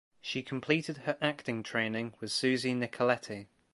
She completed her acting training with Susi Nicoletti.